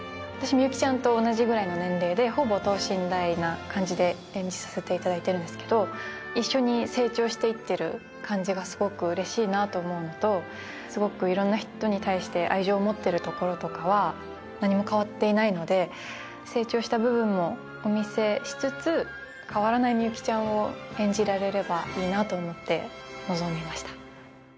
私みゆきちゃんと同じぐらいの年齢でほぼ等身大な感じで演じさせていただいてるんですが一緒に成長していってる感じがすごく嬉しいなと思うのとすごく色んな人に対して愛情持ってるところとかは何も変わっていないので成長した部分もお見せしつつ変わらないみゆきちゃんを演じられればいいなと思って臨みました